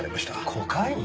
コカイン？